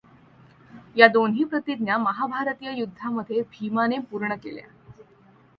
या दोन्ही प्रतिज्ञा महाभारतीय युद्धामधे भीमाने पूर्ण केल्या.